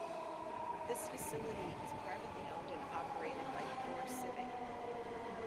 This facility is privately owned and operated by CoreCivic.